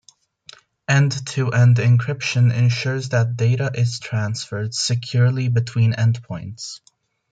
End-to-end encryption ensures that data is transferred securely between endpoints.